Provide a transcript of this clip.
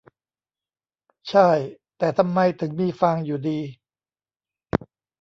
ใช่ แต่ทำไมถึงมีฟางอยู่ดี